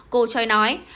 cô choi nói